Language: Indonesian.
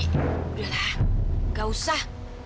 udah lah gak usah